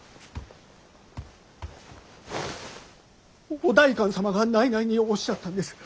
おお代官様が内々におっしゃったんです！